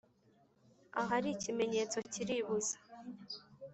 ahari ikimenyetso kiribuza